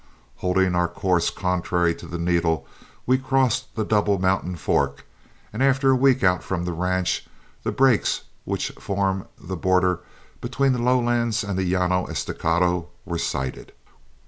Holding our course contrary to the needle, we crossed the Double Mountain Fork, and after a week out from the ranch the brakes which form the border between the lowlands and the Llano Estacado were sighted.